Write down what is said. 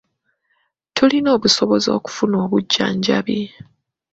Tulina obusobozi okufuna obujjanjabi.